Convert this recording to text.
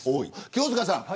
清塚さん。